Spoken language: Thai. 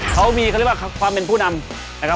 เขามีความเป็นผู้นำนะครับ